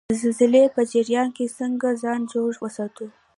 د زلزلې په جریان کې څنګه ځان جوړ وساتو؟